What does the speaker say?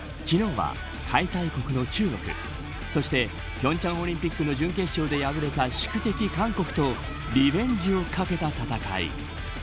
昨日は、開催国の中国そして、平昌オリンピックの準決勝で敗れた宿敵韓国とリベンジをかけた戦い。